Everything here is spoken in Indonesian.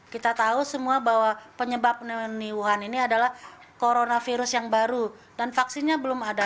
kita tahu semua bahwa penyebab pneumonia wuhan ini adalah coronavirus yang baru dan vaksinnya belum ada